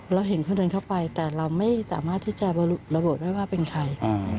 เราเห็นเขาเดินเข้าไปแต่เราไม่สามารถที่จะระบุได้ว่าเป็นใคร